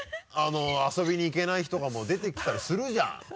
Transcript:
遊びに行けない日とかも出てきたりするじゃん。